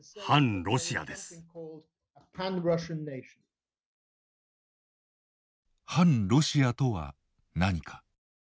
汎ロシアとは何か？